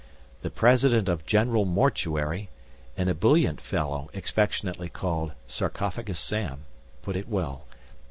The President of General Mortuary, an ebullient fellow affectionately called Sarcophagus Sam, put it well.